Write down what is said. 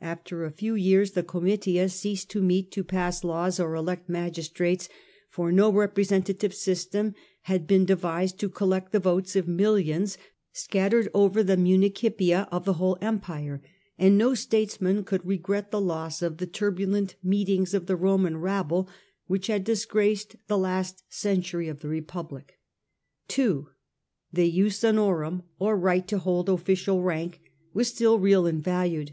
After a few years the j.jussuf Comitia ceased to meet to pass laws or elect fragii. magistrates, for no representative system had been de vised to collect the votes of millions scattered over the municipia of the whole Empire, and no statesman could regret the loss of the turbulent meetings of the Roman rabble which had disgraced the last century of the Re public. 2. The jus honorum^ or right to hold official rank, was still real and valued.